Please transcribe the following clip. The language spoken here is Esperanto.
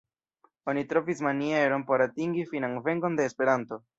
Oni trovis manieron por atingi finan venkon de Esperanto!